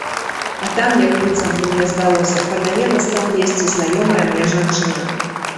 А там як быццам бы, мне здалося, падае на стол есці знаёмая мне жанчына.